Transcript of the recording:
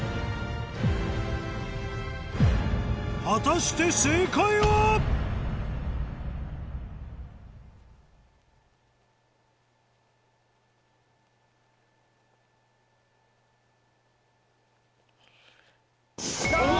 果たして正解は⁉うわ！